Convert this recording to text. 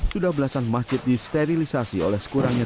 sudah belasan masjid disterilisasi oleh sejumlah masjid ini